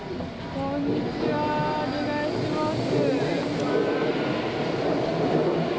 お願いします。